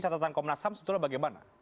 catatan komnas ham sebetulnya bagaimana